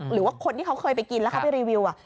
หรือว่าคนที่เขาเคยไปกินแล้วเขาไปรีวิว